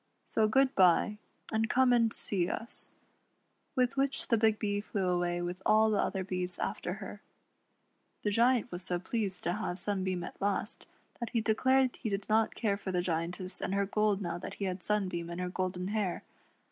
So good bye, and come and see us," With which the Big Bee flew away with all the other bees after her. The Giant was so pleased to have Sunbeam at last, that he declared he did not care for the Giantess and her gold now that he had Sunbeam and her golden hair.